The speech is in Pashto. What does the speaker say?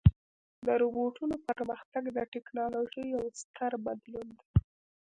د روبوټونو پرمختګ د ټکنالوژۍ یو ستر بدلون دی.